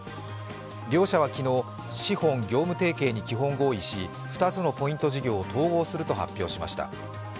両社は昨日、資本業務提携に基本合意し２つのポイント事業を統合すると発表しました。